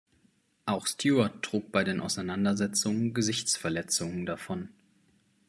Auch Stewart trug bei den Auseinandersetzungen Gesichtsverletzungen davon.